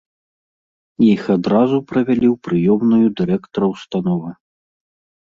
Іх адразу правялі ў прыёмную дырэктара ўстановы.